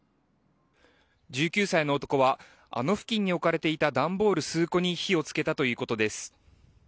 １９歳の男はあの付近に置かれていた段ボール数個に火を付けたということです。